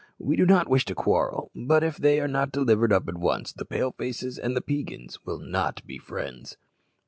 We do not wish to quarrel, but if they are not delivered up at once the Pale faces and the Peigans will not be friends."